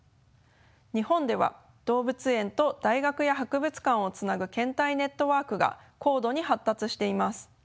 日本では動物園と大学や博物館をつなぐ献体ネットワークが高度に発達しています。